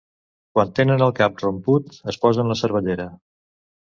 Quan tenen el cap romput es posen la cervellera.